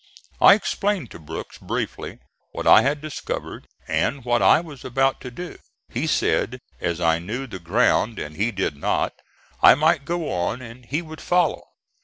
I explained to Brooks briefly what I had discovered and what I was about to do. He said, as I knew the ground and he did not, I might go on and he would follow.